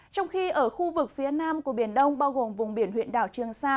trong khi ở khu vực phía nam của biển đông bao gồm vùng biển huyện đảo trường sa